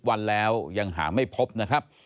วันแล้วยังหาไม่พบนะครับ